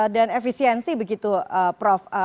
dan efisiensi begitu prof